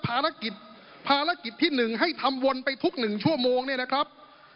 แต่ละภารกิจภารกิจที่หนึ่งให้ทำวนไปทุกหนึ่งชั่วโมงนี่นะครับ